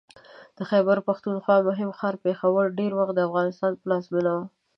د خیبر پښتونخوا مهم ښار پېښور ډېر وخت د افغانستان پلازمېنه وه